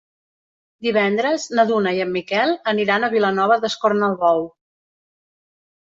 Divendres na Duna i en Miquel aniran a Vilanova d'Escornalbou.